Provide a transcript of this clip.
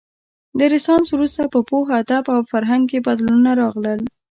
له رنسانس وروسته په پوهه، ادب او فرهنګ کې بدلونونه راغلل.